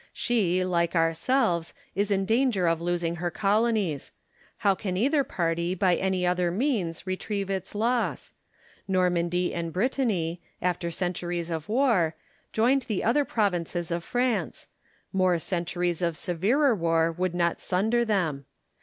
She, like ourselves, is in danger of losing her colonies ; how can either party by any other means retrieve its loss 1 Normandy and Brittany, after centuries of war, joined the other provinces of Franco: more ceiituricij ot 138 IM ACINAR Y CONVERSA TIONS. severer war would not sunder them.